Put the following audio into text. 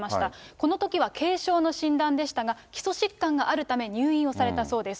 このときは軽症の診断でしたが、基礎疾患があるため入院をされたそうです。